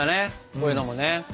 こういうのもね。